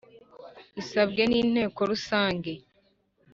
ibisabwe n Inteko Rusange